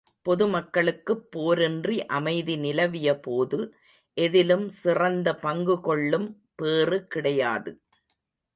பொதுமக்களுக்குப் போரின்றி அமைதி நிலவிய போது, எதிலும் சிறந்த பங்குகொள்ளும் பேறு கிடையாது.